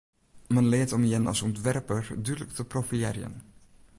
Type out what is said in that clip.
Men leart om jin as ûntwerper dúdlik te profilearjen.